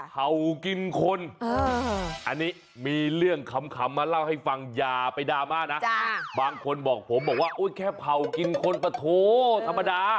บางคนบอกผมบอกว่าแค่เผากินคนปะโทษธรรมดา